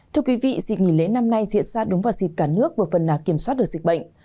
thưa quý vị dịp nghỉ lễ năm nay diễn ra đúng vào dịp cả nước và phần nào kiểm soát được dịch bệnh